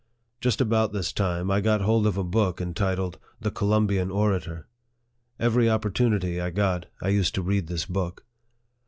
Just about this time, I got hold of a book en titled " The Columbian Orator." Every opportunity I got, I used to read this book.